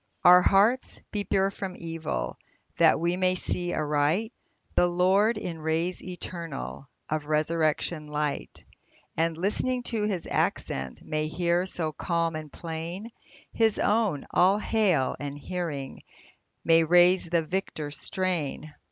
Our hearts be pure from evil, That we may see aright The Lord in rays eternal Of resurrection light ; And, listening to His accents, May hear, so calm and plain, His own " All hail !" and, hearing, May raise the victor strain.